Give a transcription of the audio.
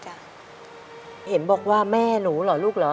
เห็นบอกว่าแม่หนูเหรอลูกเหรอ